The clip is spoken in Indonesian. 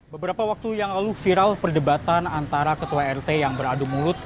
beberapa waktu yang lalu viral perdebatan antara ketua rt yang beradu mulut